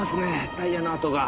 タイヤの跡が。